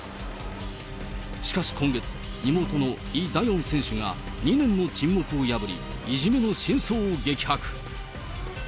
しかし今月、妹のイ・ダヨン選手が２年の沈黙を破り、いじめの真相を激白。